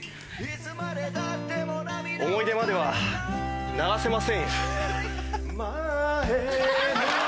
思い出までは流せませんよ。